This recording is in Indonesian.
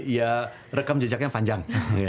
ya rekam jejaknya panjang